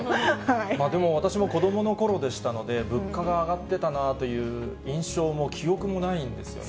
でも私も子どものころでしたので、物価が上がってたなという印象も記憶もないんですよね。